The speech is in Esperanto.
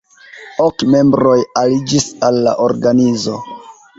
Ok membroj aliĝis al la organizo.